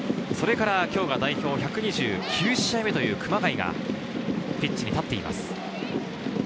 そして今日が代表１２９試合目の熊谷がピッチに立っています。